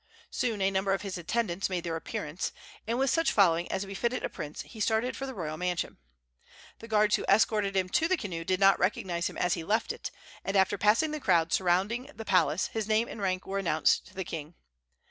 Soon a number of his attendants made their appearance, and, with such following as befitted a prince, he started for the royal mansion. The guards who escorted him to the canoe did not recognize him as he left it, and after passing the crowd surrounding the palace his name and rank were announced to the king.